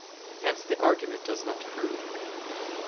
Hence the argument does not prove.